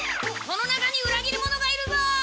この中にうら切り者がいるぞ！